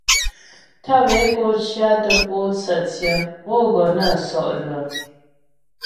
Tàp é ko cyɔtə pǒtsə tsyé pǒ gɔ nə́ sɔ' lə́.